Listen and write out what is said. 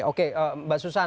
oke mbak susan